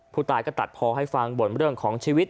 ผู้ตายก็ตัดพอให้ฟังบ่นเรื่องของชีวิต